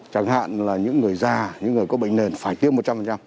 chẳng hạn là những người già những người có bệnh nền phải tiêm một trăm linh